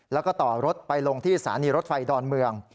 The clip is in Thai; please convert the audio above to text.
แล้วก็ต่อรถไปลงที่สถานีรถไฟดอนเมือง